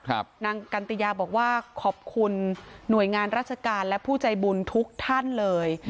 นางกันติยาบอกว่าขอบคุณหน่วยงานราชการและผู้ใจบุญทุกท่านเลย